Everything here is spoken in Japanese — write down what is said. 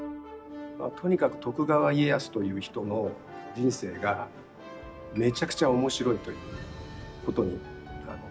とにかく徳川家康という人の人生がめちゃくちゃ面白いということに尽きるんですけど。